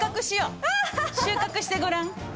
収穫してごらん。